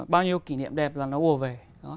bao nhiêu kỷ niệm đẹp là nó ùa về